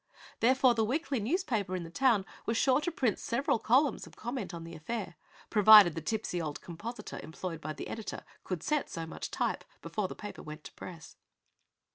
Therefore the weekly newspaper in the town was sure to print several columns of comment on the affair, provided the tipsy old compositor employed by the editor could set so much type before the paper went to press.